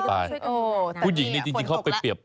ผู้หญิงนี่จริงเขาไปเปรียบ